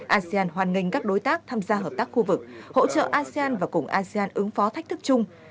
asean hoan nghênh các đối tác tham gia hợp tác khu vực hỗ trợ asean và cùng asean ứng phó thách thức chung